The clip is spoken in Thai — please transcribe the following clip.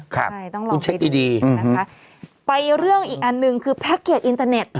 ใช่ต้องลองเช็คดีดีนะคะไปเรื่องอีกอันหนึ่งคือแพ็คเกจอินเตอร์เน็ต